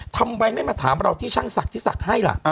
ทำไมไม่มาถามเราที่ช่างศักดิ์ที่ศักดิ์ให้ล่ะ